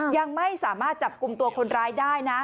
ยังไม่สามารถจับกลุ่มตัวคนร้ายได้นะ